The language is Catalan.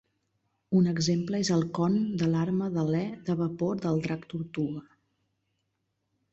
Un exemple és el con de l'arma d'alè de vapor del drac tortuga.